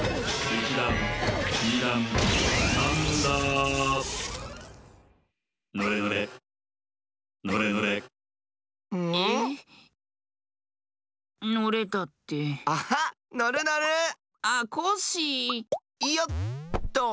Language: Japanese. いよっと。